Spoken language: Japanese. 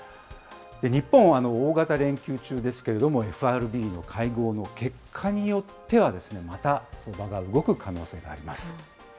日本は大型連休中ですけれども、ＦＲＢの会合の結果によっては、また相場が動く可能性があります。